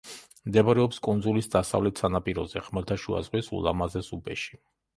მდებარეობს კუნძულის დასავლეთ სანაპიროზე, ხმელთაშუა ზღვის ულამაზეს უბეში.